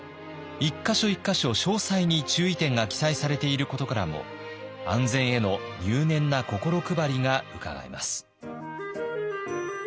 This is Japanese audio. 一か所一か所詳細に注意点が記載されていることからも安全への入念な心配りがうかがえます。